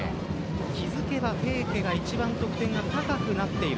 気づけば平家が一番得点が高くなっている。